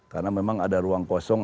karena memang ada ruang kosong